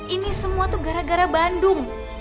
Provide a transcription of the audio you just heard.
ini semua tuh gara gara bandung